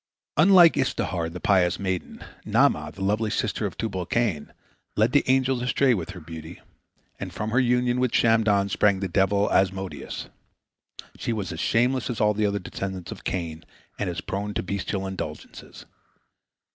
Unlike Istehar, the pious maiden, Naamah, the lovely sister of Tubal cain, led the angels astray with her beauty, and from her union with Shamdon sprang the devil Asmodeus. She was as shameless as all the other descendants of Cain, and as prone to bestial indulgences.